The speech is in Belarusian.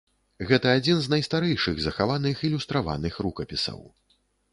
Гэта адзін з найстарэйшых захаваных ілюстраваных рукапісаў.